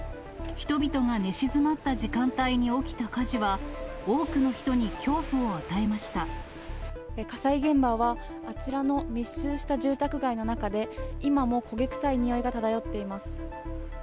人々が寝静まった時間帯に起きた火事は、火災現場はあちらの密集した住宅街の中で、今も焦げ臭いにおいが漂っています。